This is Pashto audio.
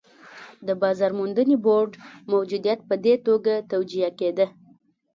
د بازار موندنې بورډ موجودیت په دې توګه توجیه کېده.